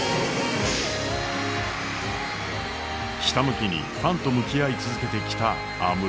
ひたむきにファンと向き合い続けてきた安室。